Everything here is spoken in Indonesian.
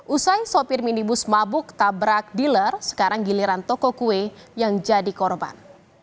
usai sopir minibus mabuk tabrak dealer sekarang giliran toko kue yang jadi korban